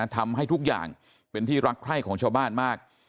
ทำให้ทุกอย่างเป็นที่รักใคร่ของชาวบ้านมาก